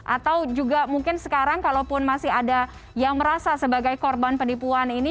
atau juga mungkin sekarang kalaupun masih ada yang merasa sebagai korban penipuan ini